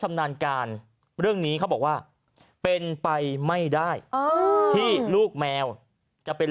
ชำนาญการเรื่องนี้เขาบอกว่าเป็นไปไม่ได้ที่ลูกแมวจะเป็น